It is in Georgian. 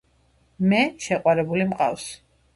მე შეყვარებული მყავს.